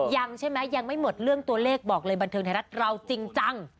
ยังใช่ไหมยังไม่หมดเรื่องตัวเลขบอกเลยบันเทิงไทยรัฐเราจริงจัง